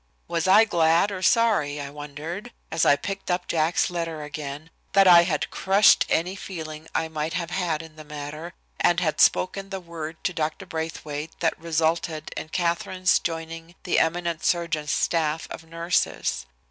Was I glad or sorry, I wondered, as I picked up Jack's letter again that I had crushed any feeling I might have had in the matter, and had spoken the word to Dr. Braithwaite that resulted in Katharine's joining the eminent surgeon's staff of nurses?